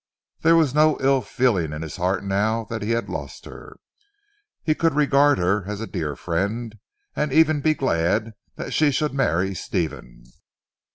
There was no ill feeling in his heart now that he had lost her. He could regard her as a dear friend, and even be glad that she should marry Stephen.